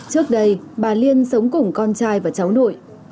trước đây bà liên sống cùng con trai và cháu nội